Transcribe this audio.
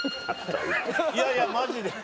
いやいやマジで。